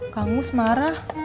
kang gus marah